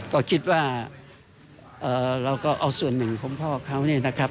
ก็คิดว่าเราก็เอาส่วนหนึ่งของพ่อเขาเนี่ยนะครับ